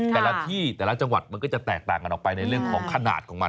แต่ละที่แต่ละจังหวัดมันก็จะแตกต่างกันออกไปในเรื่องของขนาดของมัน